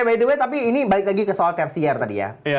by the way tapi ini balik lagi ke soal tersier tadi ya